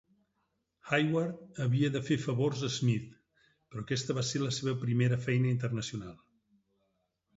Hayward havia fer "favors" a Smith, però aquesta va ser la seva primera feina internacional.